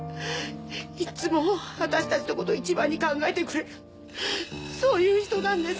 いつも私たちのことをいちばんに考えてくれるそういう人なんです。